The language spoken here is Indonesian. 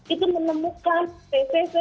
itu badan pom melalui operasi gabungan nasional